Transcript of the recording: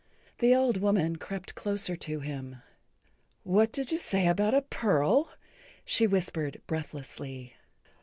The old woman crept closer to him. "What did you say about a pearl?" she whispered breathlessly.